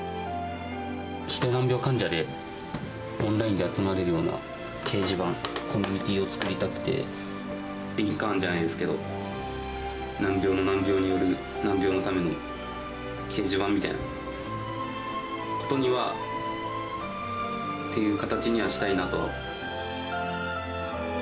指定難病患者でオンラインで集まれるような掲示板、コミュニティーを作りたくて、リンカーンじゃないですけど、難病の難病による、難病のための掲示板みたいなっていう形にはしたいなと。